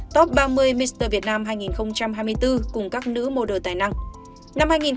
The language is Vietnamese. top ba mươi mr việt nam hai nghìn hai mươi bốn cùng các nữ model tài năng